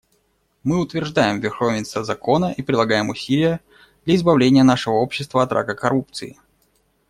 Мы утверждаем верховенство закона и прилагаем усилия для избавления нашего общества от рака коррупции.